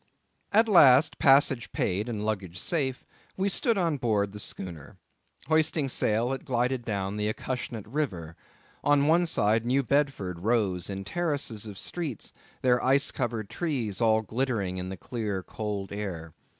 At last, passage paid, and luggage safe, we stood on board the schooner. Hoisting sail, it glided down the Acushnet river. On one side, New Bedford rose in terraces of streets, their ice covered trees all glittering in the clear, cold air.